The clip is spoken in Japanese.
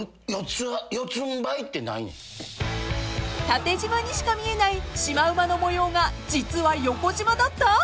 ［縦じまにしか見えないシマウマの模様が実は横じまだった？］